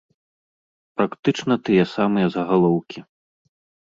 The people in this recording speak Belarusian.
Практычна тыя самыя загалоўкі.